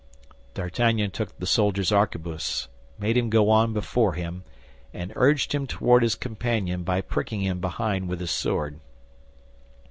D'Artagnan took the soldier's arquebus, made him go on before him, and urged him toward his companion by pricking him behind with his sword.